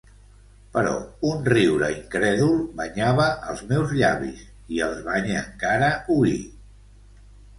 Però un riure incrèdul banyava els meus llavis, i els banya encara hui.